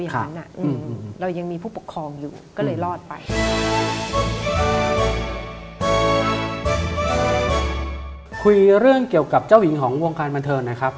คุยเรื่องเกี่ยวกับเจ้าหญิงของวงการบันเทิงนะครับ